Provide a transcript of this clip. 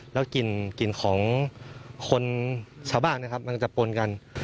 แล้วกลิ่นของคนชาวบ้านนะครับมันจะปนกัน